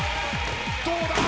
どうだ？